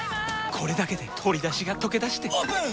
これだけで鶏だしがとけだしてオープン！